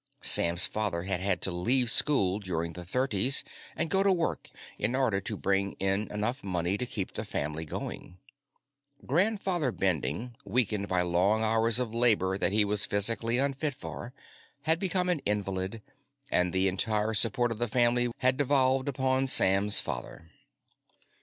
Sam's father had had to leave school during the Thirties and go to work in order to bring in enough money to keep the family going. Grandfather Bending, weakened by long hours of labor that he was physically unfit for, had become an invalid, and the entire support of the family had devolved upon Sam's father.